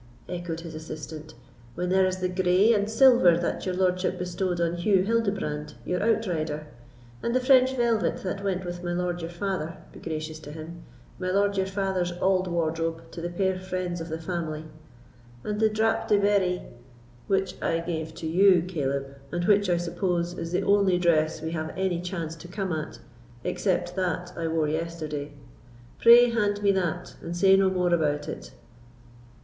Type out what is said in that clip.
echoed his assistant; "when there is the grey and silver that your lordship bestowed on Hew Hildebrand, your outrider; and the French velvet that went with my lord your father—be gracious to him!—my lord your father's auld wardrobe to the puir friends of the family; and the drap de Berry——" "Which I gave to you, Caleb, and which, I suppose, is the only dress we have any chance to come at, except that I wore yesterday; pray, hand me that, and say no more about it."